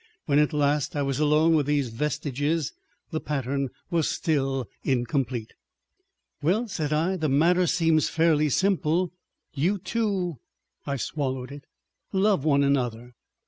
When at last I was alone with these vestiges the pattern was still incomplete. "Well," said I, "the matter seems fairly simple. You two"—I swallowed it—"love one another."